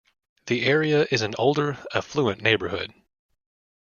The area is an older, affluent neighbourhood.